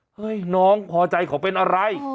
เฮ้ยน้องพอใจเขาเป็นอะไร